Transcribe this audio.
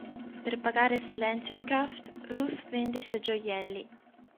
Per pagare il silenzio di Craft, Ruth vende i suoi gioielli.